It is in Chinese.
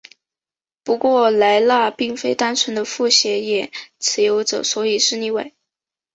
不过莱纳并非单纯的复写眼持有者所以是例外。